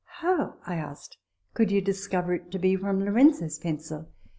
" How," I asked, " could you discover it to be from Lorenzo's pencil